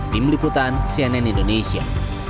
tim liputan cnn indonesia